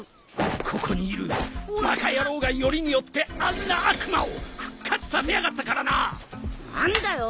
ここにいるバカ野郎がよりによってあんな悪魔を復活させやがったからな！何だよ？